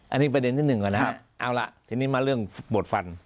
อันนี้ประเด็นที่หนึ่งก่อนนะครับเอาล่ะทีนี้มาเรื่องปวดฟัน